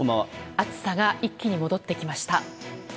暑さが一気に戻ってきました。